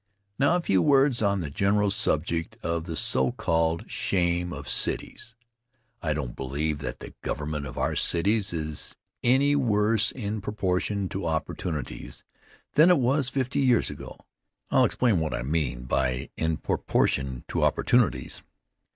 Now, a few words on the general subject of the so called shame of cities. I don't believe that the government of our cities is any worse, in proportion to opportunities, than it was fifty years ago. I'll explain what I mean by "in proportion to opportunities."